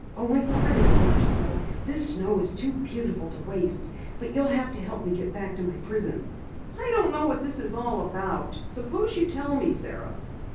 "Only for an hour or so. This snow is too beautiful to waste. But you'll have to help me get back to my prison." "I don't know what this is all about. Suppose you tell me, Sara."